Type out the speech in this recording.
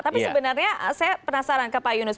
tapi sebenarnya saya penasaran ke pak yunus